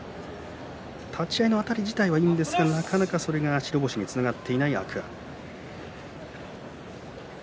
立ち合いのあたり自体はいいんですが、なかなかそれが白星につながっていない天空海。